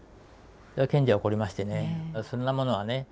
検事は怒りましてねそんなものはね